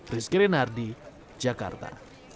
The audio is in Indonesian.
rizky renardi jakarta